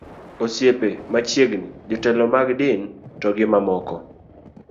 osiepe machiegni, jotelo mag din to gi mamoko